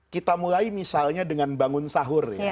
kita mulai misalnya dengan bangun sahur ya